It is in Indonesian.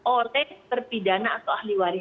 orde terpidana atau ahliwakil